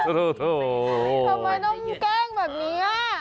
ทำไมต้องแกล้งแบบนี้